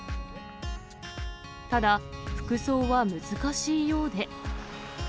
ただ、服装は難しいようで。